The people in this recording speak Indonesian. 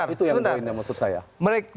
itu yang poinnya maksud saya